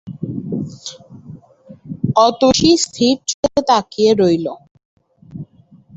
অতসী স্থির চোখে তাকিয়ে রইল।